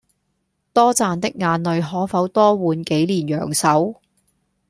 多賺的眼淚可否多換幾年陽壽？